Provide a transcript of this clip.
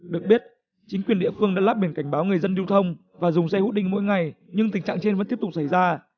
được biết chính quyền địa phương đã lắp biển cảnh báo người dân lưu thông và dùng xe hút đinh mỗi ngày nhưng tình trạng trên vẫn tiếp tục xảy ra